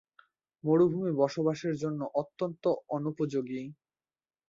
মরুভূমি বসবাসের জন্য অত্যন্ত অনুপযোগী।